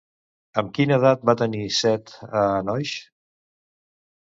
Amb quina edat va tenir Set a Enoix?